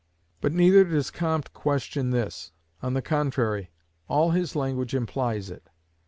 But neither does Comte question this: on the contrary, all his language implies it.